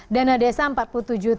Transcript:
dana desa empat puluh tujuh juta